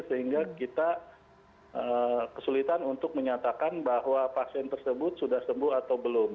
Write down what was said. sehingga kita kesulitan untuk menyatakan bahwa pasien tersebut sudah sembuh atau belum